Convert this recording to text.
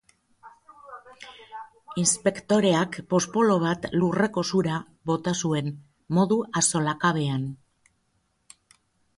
Inspektoreak poxpolo bat lurreko sura bota zuen, modu axolakabean.